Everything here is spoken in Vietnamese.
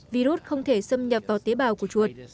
virus không thể xâm nhập vào tế bào của chuột